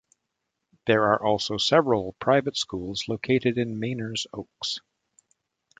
There are also several private schools located in Meiners Oaks.